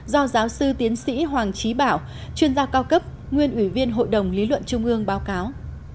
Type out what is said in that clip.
do giáo sư tiến sĩ hoàng trí bảo chuyên gia cao cấp nguyên ủy viên hội đồng lý luận trung ương báo cáo